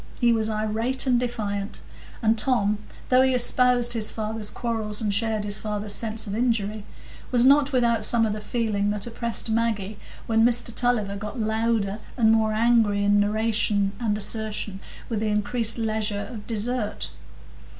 He was irate and defiant; and Tom, though he espoused his father's quarrels and shared his father's sense of injury, was not without some of the feeling that oppressed Maggie when Mr Tulliver got louder and more angry in narration and assertion with the increased leisure of dessert.